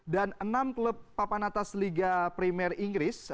dan enam klub papan atas liga primer inggris